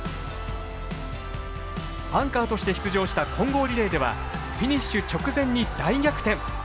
アンカーとして出場した混合リレーではフィニッシュ直前に大逆転。